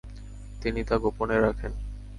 তিনি তা গোপন রাখেন।